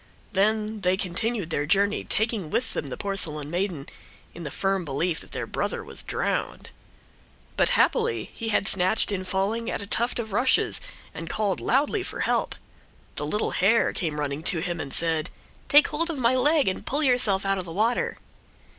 Then they continued their journey, taking with them the porcelain maiden, in the firm belief that their brother was drowned. But happily he had snatched in falling at a tuft of rushes and called loudly for help. The little hare came running to him and said: "Take hold of my leg and pull yourself out of the water."